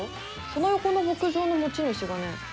その横の牧場の持ち主がね